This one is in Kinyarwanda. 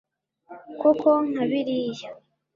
koko nka biriya